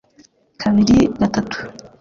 kabiri gatatu